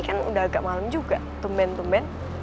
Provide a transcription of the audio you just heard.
kan udah agak malam juga tumben tumben